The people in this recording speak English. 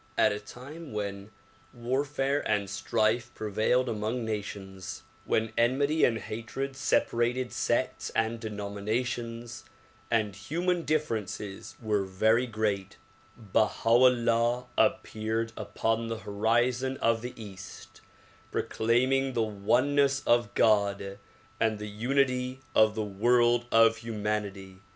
At a time when warfare and strife prevailed among nations, when enmity and hatred separated sects and denominations and human differences were very great, Baha 'Ullah appeared upon the horizon of the east proclaiming the oneness of God and the unity of the world of humanity.